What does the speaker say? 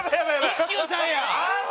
一休さんや！